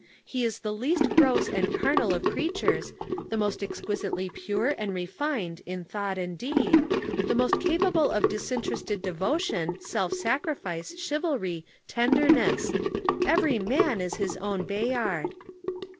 He is the least gross and carnal of creatures, the most exquisitely pure and refined in thought and deed; the most capable of disinterested devotion, self sacrifice, chivalry, tenderness. Every man is his own Bayard.